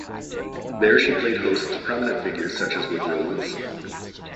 There she played host to prominent figures such as Woodrow Wilson.